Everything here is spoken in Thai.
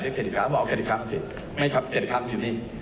บอกว่าเอาเครติกราฟสิไม่ครับเครติกราฟอยู่นี่